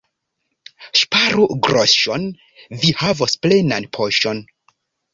Ŝparu groŝon — vi havos plenan poŝon.